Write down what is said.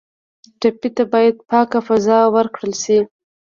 ټپي ته باید پاکه فضا ورکړل شي.